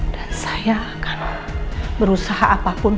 dan saya akan berusaha apapun